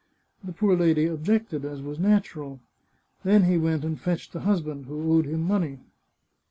The poor lady objected, as was natural. Then he went and fetched the husband, who owed him money.